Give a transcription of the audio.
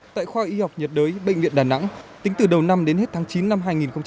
tại khoa y học nhiệt đới bệnh viện đà nẵng tính từ đầu năm đến hết tháng chín năm hai nghìn hai mươi